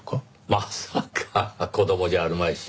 まさか子供じゃあるまいし。